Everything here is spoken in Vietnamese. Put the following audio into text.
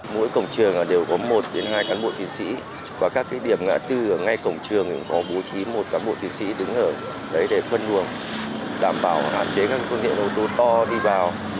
mỗi cổng trường đều có một hai cán bộ thí sĩ và các địa điểm tư ở ngay cổng trường có bố trí một cán bộ thí sĩ đứng ở đấy để phân nguồn đảm bảo hạn chế các phương tiện ô tô to đi vào